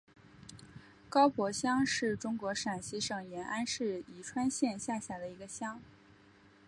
高柏乡是中国陕西省延安市宜川县下辖的一个乡。